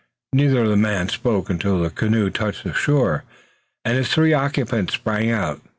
Neither of the men spoke until the canoe touched the shore, and its three occupants sprang out.